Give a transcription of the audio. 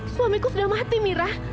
suamiku sudah mati mira